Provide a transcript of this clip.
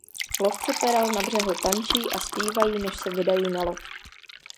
Lovci perel na břehu tančí a zpívají než se vydají na lov.